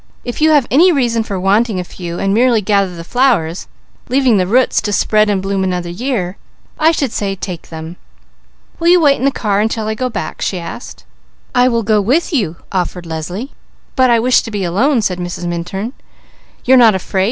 "If you have any reason for wanting a few, and merely gather the flowers, leaving the roots to spread and bloom another year, I should say take them." "Will you wait in the car until I go back?" she asked. "But I wish to be alone," said Mrs. Minturn. "You're not afraid?